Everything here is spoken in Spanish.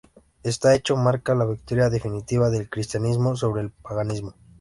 Este hecho marca la victoria definitiva del cristianismo sobre el paganismo.